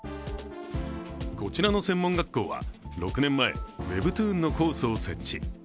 こちらの専門学校は６年前、ウェブトゥーンのコースを設置。